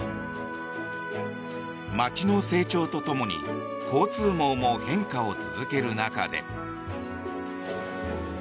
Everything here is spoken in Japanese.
街の成長とともに交通網も変化を続ける中で。